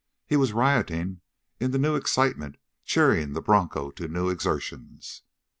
He was rioting in the new excitement cheering the broncho to new exertions.